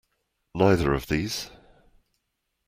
Neither of these.